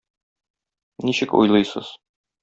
Ничек уйлыйсыз?